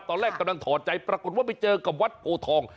ตอนแรกกำลังถอดใจปรากฏว่าไปเจอกับวัดโพทอง